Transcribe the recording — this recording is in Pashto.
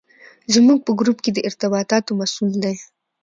زموږ په ګروپ کې د ارتباطاتو مسوول دی.